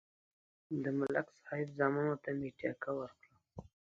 د ملک صاحب زامنو ته مې ټېکه ورکړه.